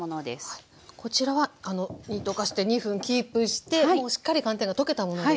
こちらは煮溶かして２分キープしてもうしっかり寒天が溶けたものですね。